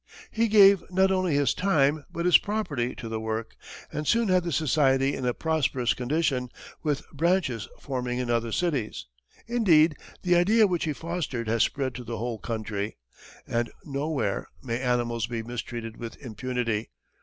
He gave not only his time, but his property to the work, and soon had the society in a prosperous condition, with branches forming in other cities. Indeed, the idea which he fostered has spread to the whole country, and nowhere may animals be mistreated with impunity.